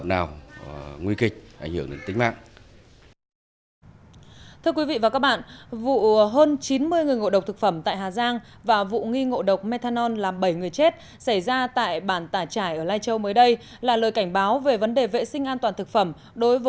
hà giang hơn chín mươi nạn nhân trong vụ ngộ độc thực phẩm tại xã đản ván huyện hoàng su phi